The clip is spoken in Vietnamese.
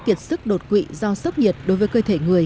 kiệt sức đột quỵ do sốc nhiệt đối với cơ thể người